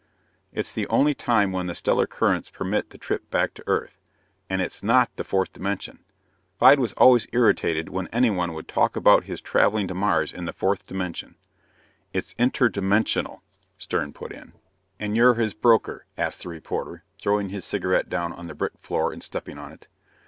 "It's the only time when the stellar currents permit the trip back to Earth. And it's not the fourth dimension! Clyde was always irritated when anyone would talk about his traveling to Mars in the fourth dimension." "It's interdimensional," Stern put in. "And you're his broker?" asked the reporter, throwing his cigarette down on the brick floor and stepping on it.